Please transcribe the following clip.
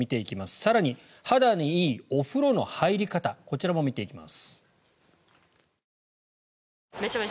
更に、肌にいいお風呂の入り方こちらも見ていきます。